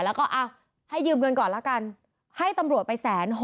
แล้วก็เอาให้ยืมเงินก่อนละกันให้ตำรวจไป๑๖๐๐